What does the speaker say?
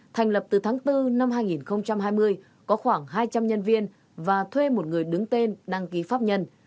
thành lập từ tháng bốn năm hai nghìn hai mươi có khoảng hai trăm linh nhân viên và thuê một người đứng tên đăng ký pháp nhân